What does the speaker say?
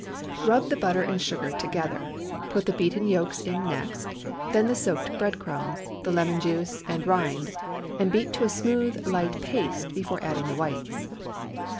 Rub the butter and sugar together; put the beaten yolks in next; then the soaked bread crumbs, the lemon, juice, and rind, and beat to a smooth, light paste before adding the whites.